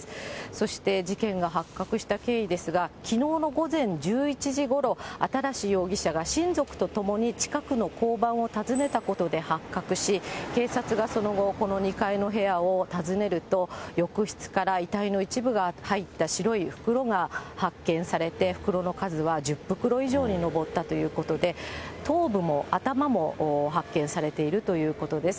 そして事件が発覚した経緯ですが、きのうの午前１１時ごろ、新容疑者が親族とともに近くの交番を訪ねたことで発覚し、警察がその後、この２階の部屋を訪ねると、浴室から遺体の一部が入った白い袋が発見されて、袋の数は１０袋以上に上ったということで、頭部も、頭も発見されているということです。